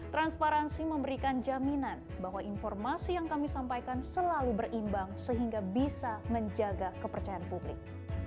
transparansi memberikan jaminan bahwa informasi yang kami sampaikan selalu berimbang sehingga bisa menjaga kepercayaan publik